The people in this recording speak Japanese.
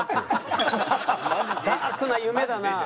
ダークな夢だな。